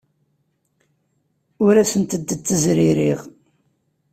Ur ad asent-ttezririɣ.